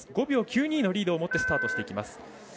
５秒９２のリードをもってスタートしていきます。